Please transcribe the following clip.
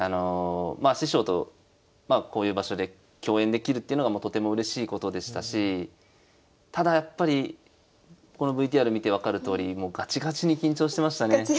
まあ師匠とまあこういう場所で共演できるっていうのがとてもうれしいことでしたしただやっぱりこのＶＴＲ見て分かるとおりもうガチガチに緊張してましたね。